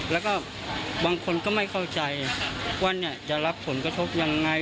แล้วก็บางคนก็ไม่เข้าใจว่าจะรับผลกระทบยังไง